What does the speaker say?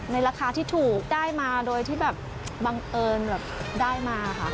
ราคาที่ถูกได้มาโดยที่แบบบังเอิญแบบได้มาค่ะ